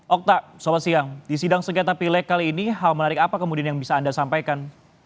okta selamat siang di sidang sengketa pilek kali ini hal menarik apa kemudian yang bisa anda sampaikan